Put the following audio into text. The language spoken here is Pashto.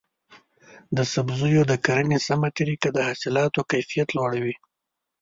د سبزیو د کرنې سمه طریقه د حاصلاتو کیفیت لوړوي.